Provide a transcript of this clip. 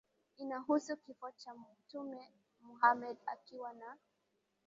inahusu kifo cha Mtume Muhamad ikiwa na